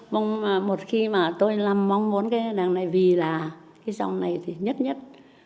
một khi mà tôi làm mong muốn cái đằng này vì là cái rộng này thì nhất nhất